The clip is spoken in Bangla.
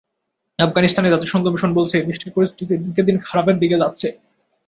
আফগানিস্তানে জাতিসংঘ মিশন বলছে, দেশটির পরিস্থিতি দিনকে দিন খারাপের দিকে যাচ্ছে।